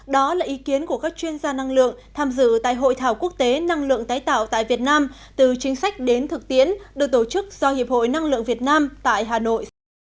đó là ý kiến của các chuyên gia năng lượng tham dự tại hội thảo quốc tế năng lượng tái tạo tại việt nam từ chính sách đến thực tiễn được tổ chức do hiệp hội năng lượng việt nam tại hà nội